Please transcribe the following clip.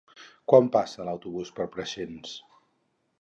Quan passa l'autobús per Preixens?